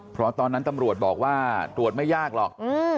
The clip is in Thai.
เพราะตอนนั้นตำรวจบอกว่าตรวจไม่ยากหรอก